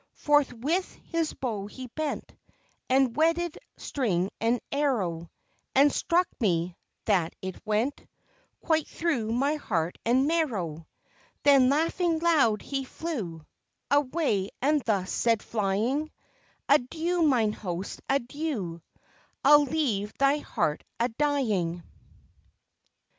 Forthwith his bow he bent, And wedded string and arrow, And struck me, that it went Quite through my heart and marrow Then laughing loud, he flew Away, and thus said flying, Adieu, mine host, adieu, I'll leave thy heart a dying.